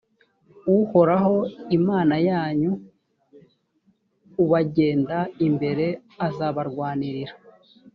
uhoraho imana yanyu ubagenda imbere azabarwanirira